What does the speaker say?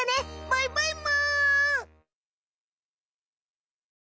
バイバイむ！